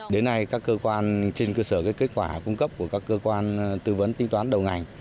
đến nay các cơ quan trên cơ sở kết quả cung cấp của các cơ quan tư vấn tinh toán đầu ngành